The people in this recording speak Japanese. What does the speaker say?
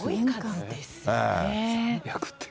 ３００って。